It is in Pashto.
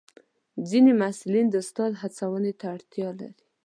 ځینې محصلین د استاد هڅونې ته اړتیا لري.